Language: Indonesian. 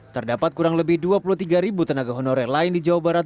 terdapat kurang lebih dua puluh tiga tenaga honorer lain di jawa barat